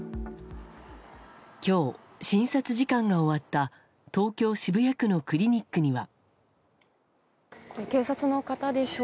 今日、診察時間が終わった東京・渋谷区のクリニックには。